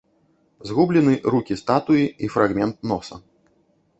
Згублены рукі статуі і фрагмент носа.